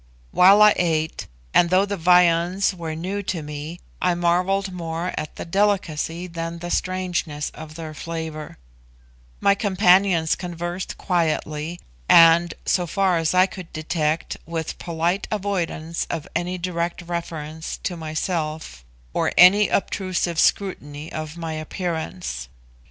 While I ate (and though the viands were new to me, I marvelled more at the delicacy than the strangeness of their flavour), my companions conversed quietly, and, so far as I could detect, with polite avoidance of any direct reference to myself, or any obtrusive scrutiny of my appearance.